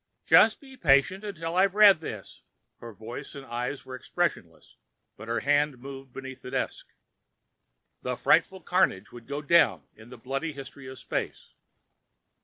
"Just be patient until I've read this." Her voice and eyes were expressionless, but her hand moved beneath the desk. The frightful carnage would go down in the bloody history of space.